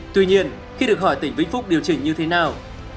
tuy nhiên khi được hỏi tỉnh vĩnh phúc điều chỉnh như thế nào